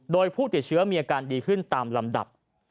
โดยผู้ติดเชื้อมีอาการดีขึ้นตามลำดับ